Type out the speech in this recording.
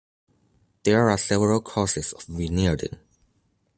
There are several causes of vignetting.